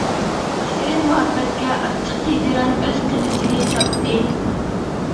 شېرىن مۇھەببەتكە ئاچچىق ھىجران ئۆز قىلىچىنى چاپتى.